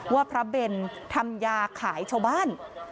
ว่าพระเบนทำยาขายชาวบ้าน